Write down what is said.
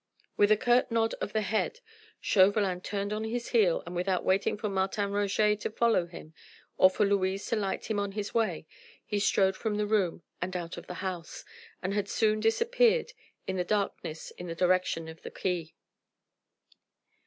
With a curt nod of the head Chauvelin turned on his heel and without waiting for Martin Roget to follow him, or for Louise to light him on his way, he strode from the room, and out of the house, and had soon disappeared in the darkness in the direction of the quay.